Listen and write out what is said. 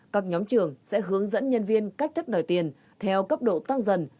các nhóm trưởng sẽ hướng dẫn nhân viên cách thức đòi tiền theo cấp độ tăng dần